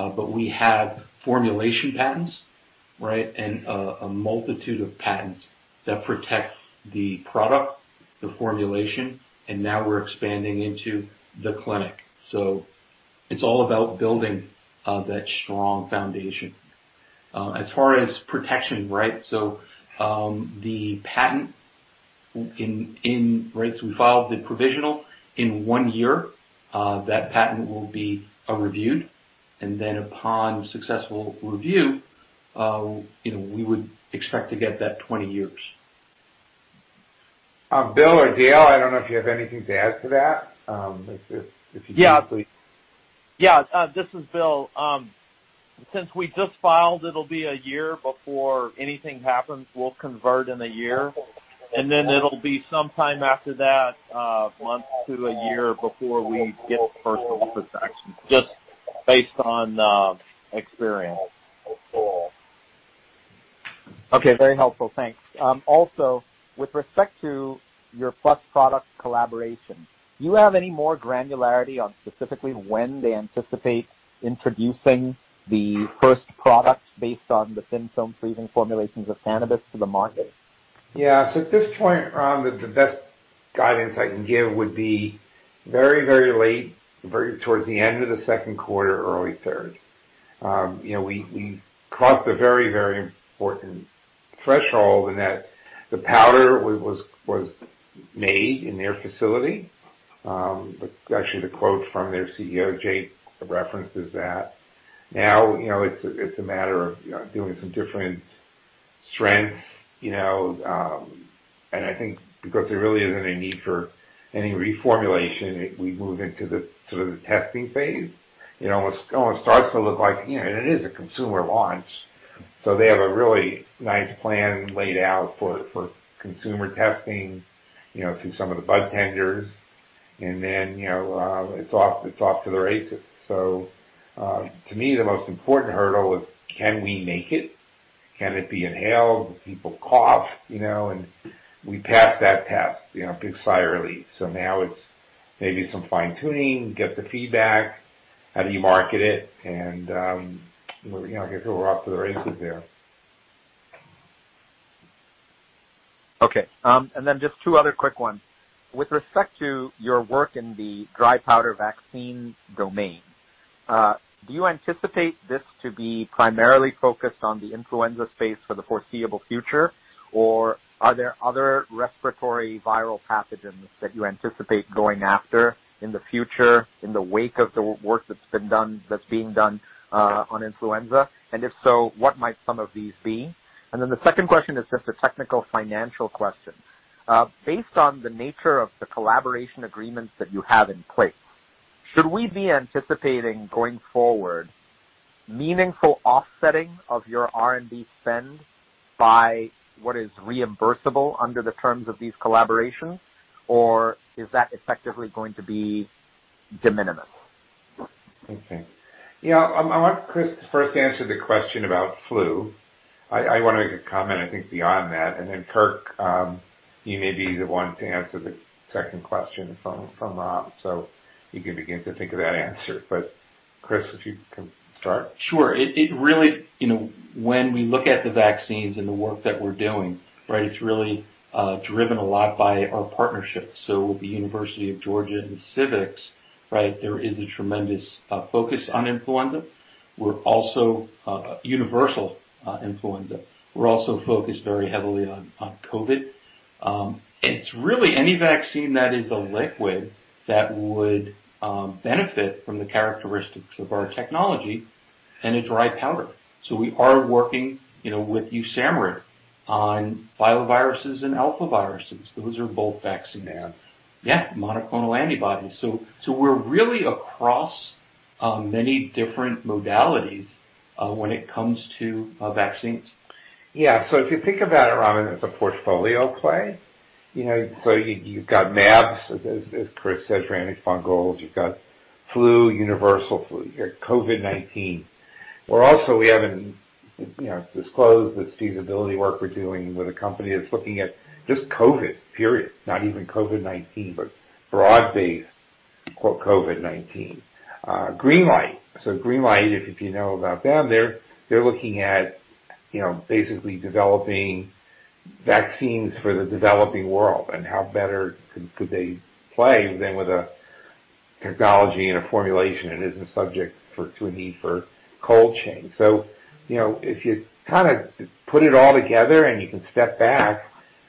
We have formulation patents and a multitude of patents that protect the product, the formulation, and now we're expanding into the clinic. It's all about building that strong foundation. As far as protection, so the patent, we filed the provisional. In one year, that patent will be reviewed, and then upon successful review, we would expect to get that 20 years. Bill or Dale, I don't know if you have anything to add to that. If you can, please. Yeah. This is Bill. Since we just filed, it'll be a year before anything happens. We'll convert in a year, and then it'll be sometime after that, a month to a year, before we get first office action, just based on experience. Okay. Very helpful. Thanks. With respect to your PLUS Products collaboration, do you have any more granularity on specifically when they anticipate introducing the first products based on the Thin Film Freezing formulations of cannabis to the market? Yeah. At this point, Ram, the best guidance I can give would be very late, towards the end of the second quarter, early third. We crossed a very important threshold in that the powder was made in their facility. Actually, the quote from their CEO, Jake, references that. Now it's a matter of doing some different strengths, and I think because there really isn't a need for any reformulation, we move into the testing phase. It starts to look like, and it is a consumer launch, so they have a really nice plan laid out for consumer testing through some of the budtenders, and then it's off to the races. To me, the most important hurdle is can we make it? Can it be inhaled? Do people cough? We passed that test with big sigh of relief. Now it's maybe some fine-tuning, get the feedback. How do you market it? I guess we're off to the races there. Okay. Just two other quick ones. With respect to your work in the dry powder vaccine domain, do you anticipate this to be primarily focused on the influenza space for the foreseeable future, or are there other respiratory viral pathogens that you anticipate going after in the future in the wake of the work that's being done on influenza? If so, what might some of these be? The second question is just a technical financial question. Based on the nature of the collaboration agreements that you have in place, should we be anticipating, going forward, meaningful offsetting of your R&D spend by what is reimbursable under the terms of these collaborations, or is that effectively going to be de minimis? Okay. I want Chris to first answer the question about flu. I want to make a comment, I think, beyond that. Then, Kirk, you may be the one to answer the second question from Ram, so you can begin to think of that answer. Chris, if you can start. Sure. When we look at the vaccines and the work that we're doing, it's really driven a lot by our partnerships. The University of Georgia and Civica Rx, there is a tremendous focus on influenza. Universal influenza. We're also focused very heavily on COVID. It's really any vaccine that is a liquid that would benefit from the characteristics of our technology in a dry powder. We are working with USAMRIID on filoviruses and alphaviruses. Those are both vaccine mAbs. Yeah, monoclonal antibodies. We're really across many different modalities when it comes to vaccines. If you think about it, Ram Selvaraju, as a portfolio play, you've got mAbs, as Chris Cano said, for antifungals. You've got flu, universal flu, COVID-19. We haven't disclosed this feasibility work we're doing with a company that's looking at just COVID, period. Not even COVID-19, but broad-based COVID-19. GreenLight Biosciences. GreenLight Biosciences, if you know about them, they're looking at basically developing vaccines for the developing world and how better could they play than with a technology and a formulation that isn't subject to a need for cold chain. If you put it all together and you can step back,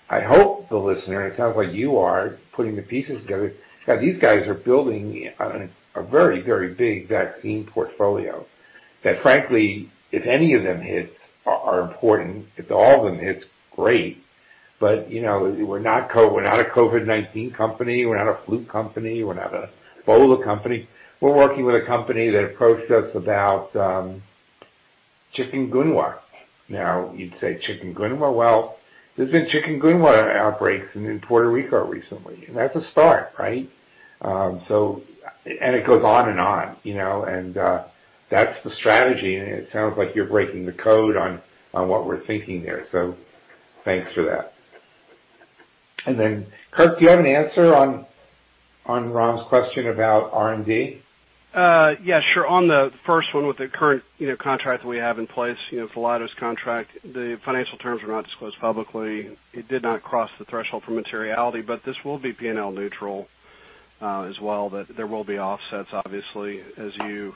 I hope the listener, it sounds like you are putting the pieces together, these guys are building a very, very big vaccine portfolio. That frankly, if any of them hits are important, if all of them hit, great. We're not a COVID-19 company. We're not a flu company. We're not an Ebola company. We're working with a company that approached us about chikungunya. You'd say chikungunya. There's been chikungunya outbreaks in Puerto Rico recently, and that's a start, right? It goes on and on. That's the strategy, and it sounds like you're breaking the code on what we're thinking there. Thanks for that. Kirk, do you have an answer on Ram's question about R&D? Sure. On the first one with the current contract that we have in place, for Leidos contract, the financial terms were not disclosed publicly. It did not cross the threshold for materiality, but this will be P&L neutral as well, that there will be offsets, obviously, as you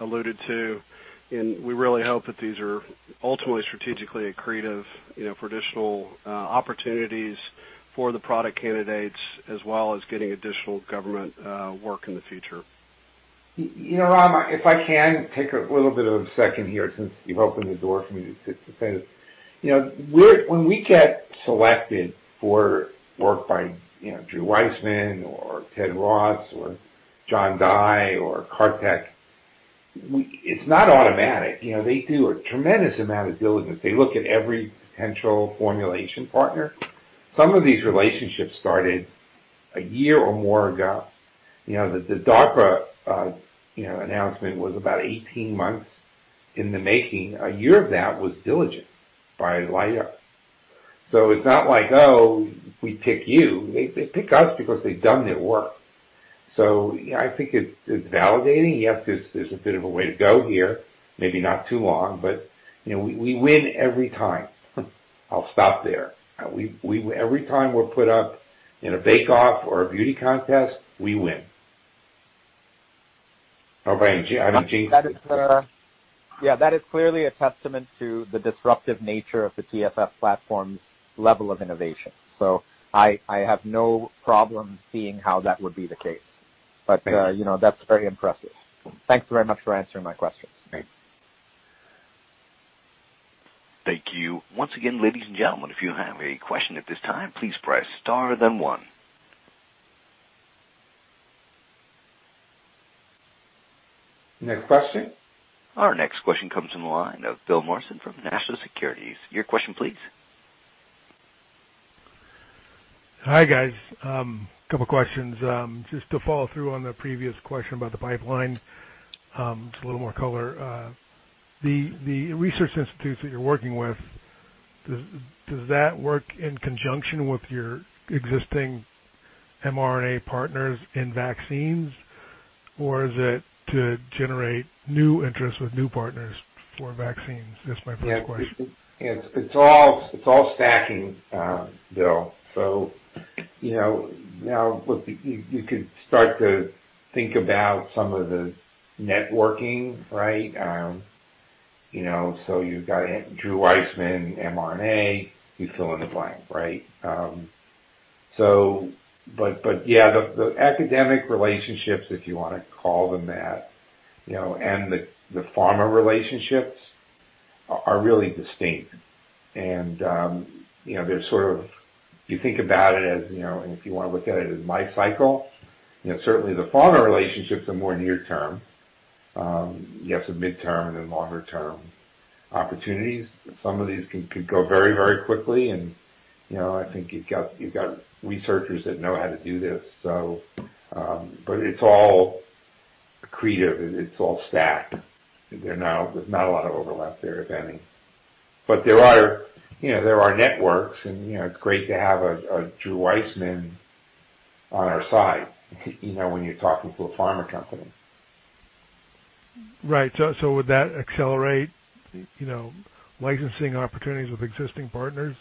alluded to. We really hope that these are ultimately strategically accretive for additional opportunities for the product candidates, as well as getting additional government work in the future. Ram, if I can take a little bit of a second here, since you've opened the door for me to say this. When we get selected for work by Drew Weissman or Ted Ross or John Dye or Kartik Chandran, it's not automatic. They do a tremendous amount of diligence. They look at every potential formulation partner. Some of these relationships started a year or more ago. The DARPA announcement was about 18 months in the making. A year of that was diligence by Leidos. It's not like, "Oh, we pick you." They pick us because they've done their work. I think it's validating. Yes, there's a bit of a way to go here, maybe not too long, we win every time. I'll stop there. Every time we're put up in a bake-off or a beauty contest, we win. Over to you, Anaji. Yeah, that is clearly a testament to the disruptive nature of the TFF platform's level of innovation. I have no problem seeing how that would be the case. Thanks. That's very impressive. Thanks very much for answering my questions. Great. Thank you. Once again, ladies and gentlemen, if you have a question at this time, please press star then one. Next question. Our next question comes from the line of Bill Morrison from National Securities. Your question, please. Hi, guys. Couple questions. Just to follow through on the previous question about the pipeline, just a little more color. The research institutes that you're working with, does that work in conjunction with your existing mRNA partners in vaccines, or is it to generate new interest with new partners for vaccines? That's my first question. Yeah. It's all stacking, Bill. Now you could start to think about some of the networking, right? You've got Drew Weissman, mRNA, you fill in the blank, right? Yeah, the academic relationships, if you want to call them that, and the pharma relationships are really distinct. You think about it as, and if you want to look at it as my cycle, certainly the pharma relationships are more near term. You have some midterm and longer-term opportunities. Some of these could go very, very quickly, and I think you've got researchers that know how to do this. It's all accretive. It's all stacked. There's not a lot of overlap there, if any. There are networks, and it's great to have Drew Weissman on our side, when you're talking to a pharma company. Right. Would that accelerate licensing opportunities with existing partners?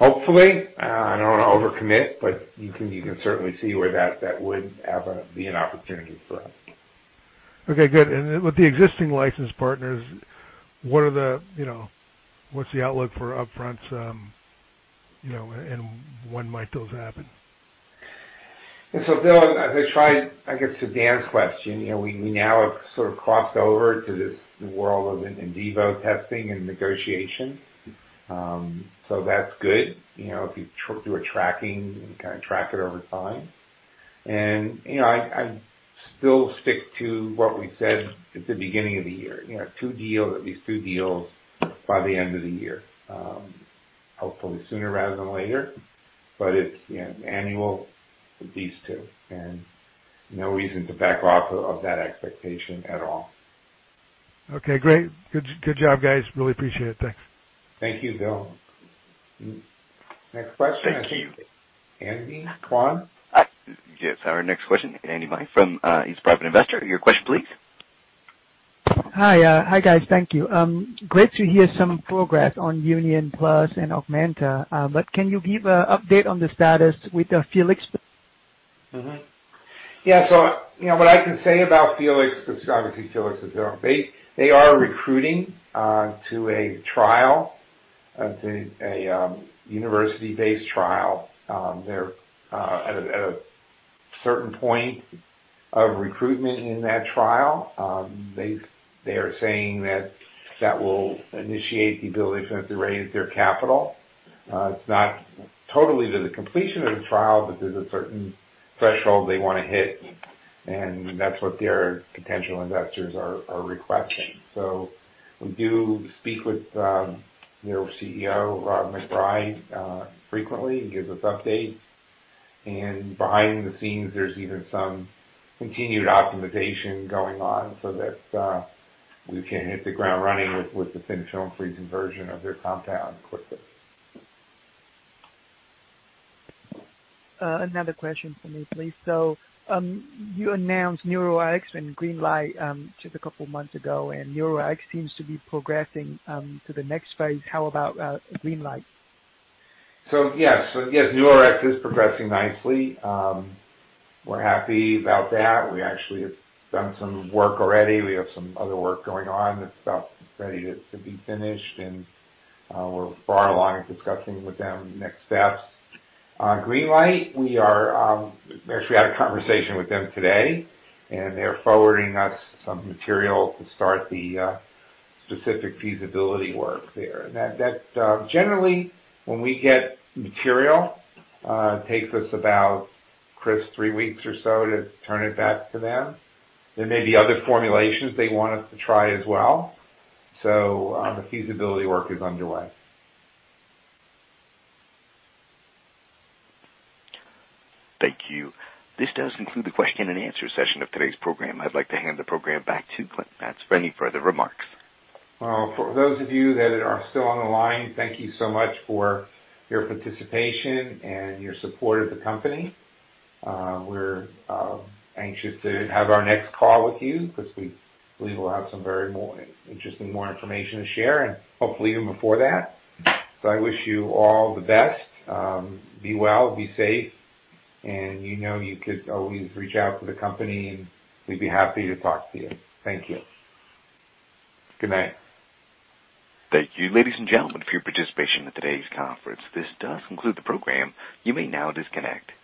Hopefully. I don't want to overcommit, but you can certainly see where that would ever be an opportunity for us. Okay, good. With the existing license partners, what's the outlook for upfronts, and when might those happen? Bill, as I tried, I guess, to Dan's question, we now have sort of crossed over to this world of in vivo testing and negotiation. That's good. If you do a tracking, you can track it over time. I still stick to what we said at the beginning of the year. Two deals, at least two deals by the end of the year. Hopefully sooner rather than later. It's annual, at least two, and no reason to back off of that expectation at all. Okay, great. Good job, guys. Really appreciate it. Thanks. Thank you, Bill. Next question. Andy Mai? Yes. Our next question, Andy Mai from Institutional Investor. Your question, please. Hi, guys. Thank you. Great to hear some progress on Union, PLUS, and Augmenta, but can you give an update on the status with the Felix? Mm-hmm. Yeah. What I can say about Felix, specifically Felix, is they are recruiting to a trial, a university-based trial. They're at a certain point of recruitment in that trial. They are saying that that will initiate the ability for them to raise their capital. It's not totally to the completion of the trial, but there's a certain threshold they want to hit, and that's what their potential investors are requesting. We do speak with their CEO, Rob McBride, frequently. He gives us updates. Behind the scenes, there's even some continued optimization going on so that we can hit the ground running with the Thin Film Freezing version of their compound quickly. Another question for me, please. You announced NeuroRx and GreenLight just a couple of months ago, and NeuroRx seems to be progressing to the next phase. How about GreenLight? Yes, NeuroRx is progressing nicely. We're happy about that. We actually have done some work already. We have some other work going on that's about ready to be finished, and we're far along in discussing with them the next steps. GreenLight, we actually had a conversation with them today, and they're forwarding us some material to start the specific feasibility work there. Now, that's generally when we get material, it takes us about, Chris, three weeks or so to turn it back to them. There may be other formulations they want us to try as well. The feasibility work is underway. Thank you. This does conclude the question-and-answer session of today's program. I'd like to hand the program back to Glenn Mattes for any further remarks. For those of you that are still on the line, thank you so much for your participation and your support of the company. We're anxious to have our next call with you because we will have some very interesting more information to share and hopefully even before that. I wish you all the best. Be well, be safe, and you know you could always reach out to the company, and we'd be happy to talk to you. Thank you. Good night. Thank you, ladies and gentlemen, for your participation in today's conference. This does conclude the program. You may now disconnect.